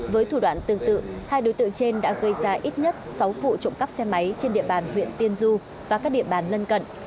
với thủ đoạn tương tự hai đối tượng trên đã gây ra ít nhất sáu vụ trộm cắp xe máy trên địa bàn huyện tiên du và các địa bàn lân cận